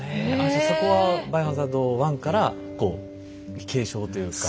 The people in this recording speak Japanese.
じゃそこは「バイオハザード１」からこう継承というか。